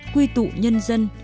quy tụ nhân dân